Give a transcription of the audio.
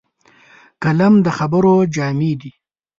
قلم د خبرو جامې دي